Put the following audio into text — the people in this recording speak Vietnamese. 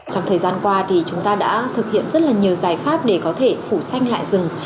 trong thời gian qua thì chúng ta đã thực hiện rất là nhiều giải pháp để có thể phủ xanh lại rừng